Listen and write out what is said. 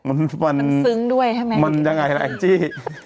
มันมันคือยังไงด้วยไทยจี้